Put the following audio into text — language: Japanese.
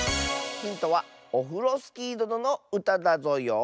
ヒントはオフロスキーどののうただぞよ。